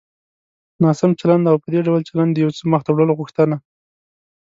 ناسم چلند او په دې ډول چلند د يو څه مخته وړلو غوښتنه.